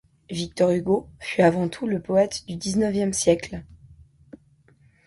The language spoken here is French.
Victor Hugo fut avant tout le poète du dix-neuvième siècle.